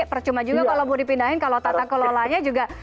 jadi percuma juga kalau mau dipindahin kalau tata kelolanya juga